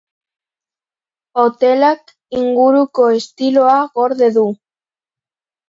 Hotelak inguruko estiloa gorde du.